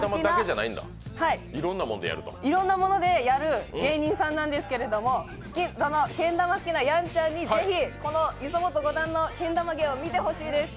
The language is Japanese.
いろんなものでけん玉をやる芸人さんなんですけど、けん玉好きなやんちゃんに是非磯本五段のけん玉芸を見てほしいです！